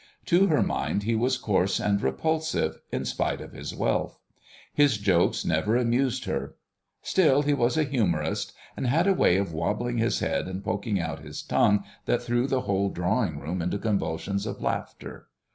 To her mind he was coarse and repulsive, in spite of his wealth. His jokes never amused her. Still he was a humorist, and had a way of wobbling his head and poking out his tongue that threw the whole drawing room into convulsions of laughter.